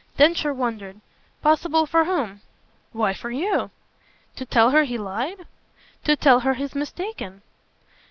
Densher wondered. "Possible for whom?" "Why for you." "To tell her he lied?" "To tell her he's mistaken."